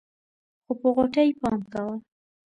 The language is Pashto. خو په غوټۍ پام کوه.